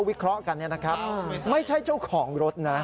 วิเคราะห์กันเนี่ยนะครับไม่ใช่เจ้าของรถนะ